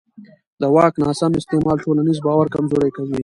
د واک ناسم استعمال ټولنیز باور کمزوری کوي